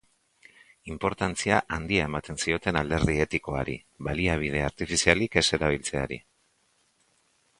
Inportantzia handia ematen zioten alderdi etikoari, baliabide artifizialik ez erabiltzeari.